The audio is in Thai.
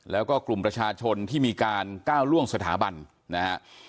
แล้วก็กลุ่มประชาชนที่มีการก้าวล่วงสถาบันนะฮะ